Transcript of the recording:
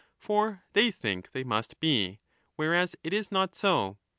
For they think they must be ; whereas it is not so.